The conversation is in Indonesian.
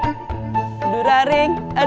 mimin digeris pisah